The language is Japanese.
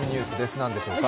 何でしょうか？